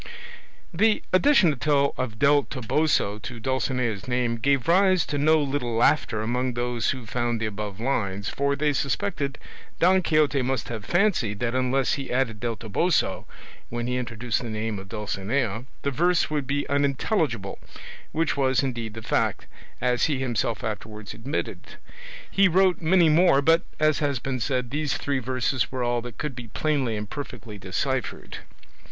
The addition of "Del Toboso" to Dulcinea's name gave rise to no little laughter among those who found the above lines, for they suspected Don Quixote must have fancied that unless he added "del Toboso" when he introduced the name of Dulcinea the verse would be unintelligible; which was indeed the fact, as he himself afterwards admitted. He wrote many more, but, as has been said, these three verses were all that could be plainly and perfectly deciphered.